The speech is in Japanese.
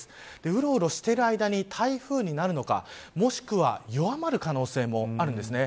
うろうろしている間に台風になるのかもしくは弱まる可能性もあるんですね。